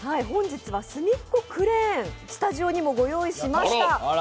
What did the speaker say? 本日はすみっコクレーンスタジオにも御用意しました。